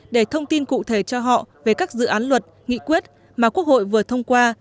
để thông tin cụ thể cho họ về các dự án luật nghị quyết mà quốc hội vừa thông qua